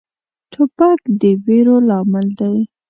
توپک د ویرو لامل دی.